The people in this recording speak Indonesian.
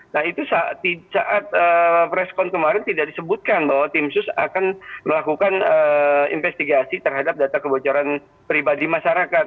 nah itu saat preskon kemarin tidak disebutkan bahwa tim sus akan melakukan investigasi terhadap data kebocoran pribadi masyarakat